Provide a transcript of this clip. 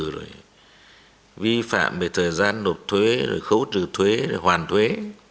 rồi vi phạm về thời gian nộp thuế rồi khấu trừ thuế hoàn thuế